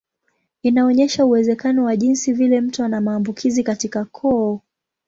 Inaonyesha uwezekano wa jinsi vile mtu ana maambukizi katika koo.